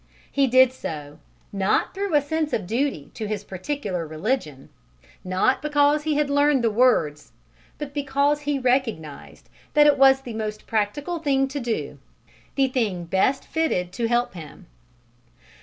He did so, not through a sense of duty to his particular religion, not because he had learned the words, but because he recognized that it was the most practical thing to do the thing best fitted to help him.